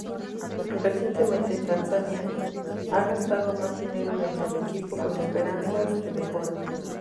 Recientemente Tanzania ha gastado más dinero en el equipo con esperanzas de mejora.